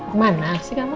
kemana sih kamu